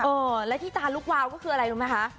เออและที่ตานลูกแววก็คืออะไรรู้มั้ยคะ